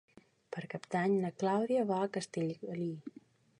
Per Cap d'Any na Clàudia va a Castellgalí.